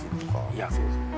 いやそうそう。